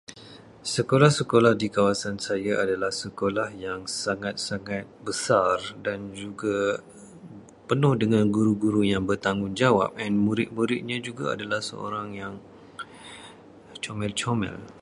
Sekolah-sekolah di kawasan saya adalah sekolah yang sangat-sangat besar dan juga penuh dengan guru-guru yang bertanggungjawab dan murid-muridnya juga adalah seorang yang comel-comel.